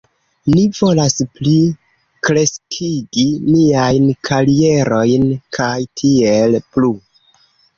Ni volas pli kreskigi niajn karierojn kaj tiel plu